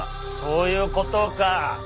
そういうことか。